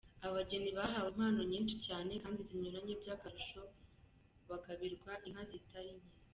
Abageni bahawe impano nyinshi cyane kandi zinyuranye by’akarusho bagabirwa inka zitari nke.